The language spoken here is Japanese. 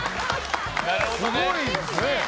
すごいですね。